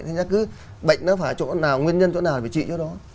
thì nó cứ bệnh nó phải chỗ nào nguyên nhân chỗ nào phải trị cho nó